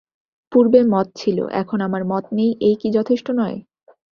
পূর্বে মত ছিল, এখন আমার মত নেই এই কি যথেষ্ট নয়?